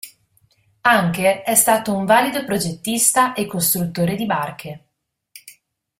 Anker è stato un valido progettista e costruttore di barche.